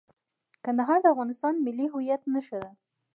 کندهار د افغانستان د ملي هویت نښه ده.